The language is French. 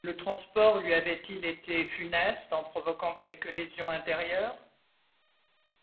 Le transport lui avait-il été funeste, en provoquant quelque lésion intérieure?